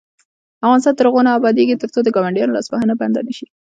افغانستان تر هغو نه ابادیږي، ترڅو د ګاونډیانو لاسوهنه بنده نشي.